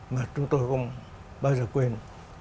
mà chúng tôi không bao giờ quên